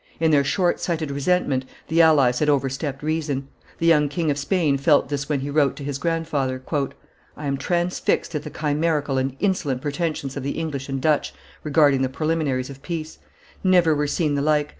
In their short sighted resentment the allies had overstepped reason. The young King of Spain felt this when he wrote to his grandfather, "I am transfixed at the chimerical and insolent pretensions of the English and Dutch regarding the preliminaries of peace; never were seen the like.